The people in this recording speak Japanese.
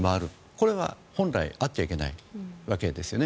これは本来あっちゃいけないわけですよね。